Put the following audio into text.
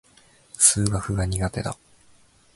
数学が苦手だ。